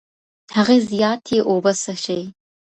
هغې زياتې اوبه څښې.